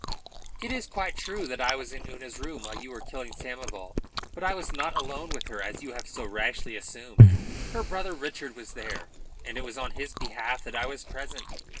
"It is quite true that I was in Una's room while you were killing Samoval. But I was not alone with her, as you have so rashly assumed. Her brother Richard was there, and it was on his behalf that I was present.